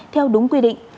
theo đúng quy định